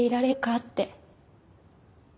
って。